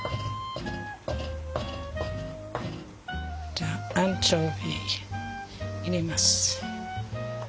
じゃアンチョビ入れます。